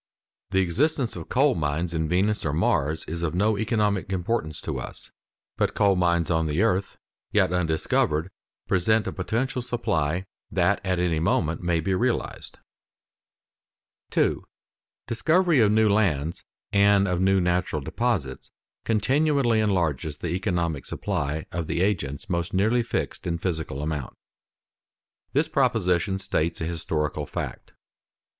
The existence of coal mines in Venus or Mars is of no economic importance to us, but coal mines on the earth, yet undiscovered, present a potential supply that at any moment may be realized. [Sidenote: Discovery enlarges the supply of natural resources] 2. _Discovery of new lands and of new natural deposits continually enlarges the economic supply of the agents most nearly fixed in physical amount._ This proposition states a historical fact.